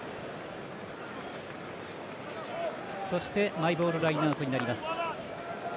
マイボールラインアウトになります。